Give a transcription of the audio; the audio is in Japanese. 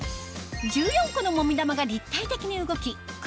１４個のもみ玉が立体的に動き首